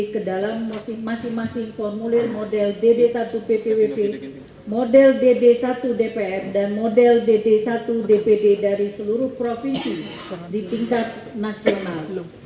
ke dalam masing masing formulir model dd satu ppwp model dd satu dpr dan model dd satu dpd dari seluruh provinsi di tingkat nasional